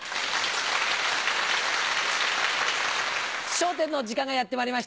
『笑点』の時間がやってまいりました。